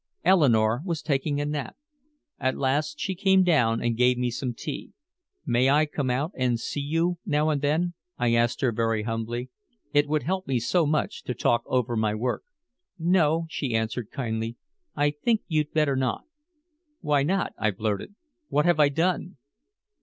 Eleanore was taking a nap. At last she came down and gave me some tea. "May I come out and see you now and then?" I asked her very humbly. "It would help me so much to talk over my work." "No," she answered kindly, "I think you'd better not." "Why not?" I blurted. "What have I done?"